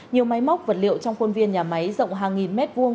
nhiều máy móc vật liệu trong khuôn viên nhà máy rộng hàng nghìn mét vuông